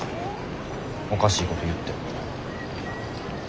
おかしいこと言って。